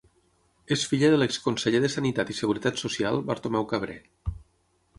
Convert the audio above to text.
És filla de l'exconseller de Sanitat i Seguretat Social Bartomeu Cabrer.